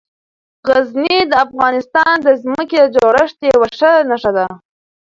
غزني د افغانستان د ځمکې د جوړښت یوه ښه نښه ده.